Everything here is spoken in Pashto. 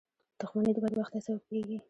• دښمني د بدبختۍ سبب کېږي.